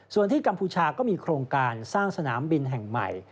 ส่วนที่กัมพูชาก็มีโครงการสร้างสนามบินแห่งใหม่